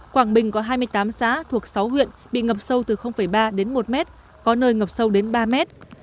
quảng bình có hai mươi tám xã thuộc sáu huyện bị ngập sâu từ ba đến một mét có nơi ngập sâu đến ba mét